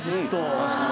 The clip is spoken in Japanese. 確かに。